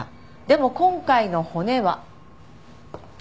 でも今回の骨は。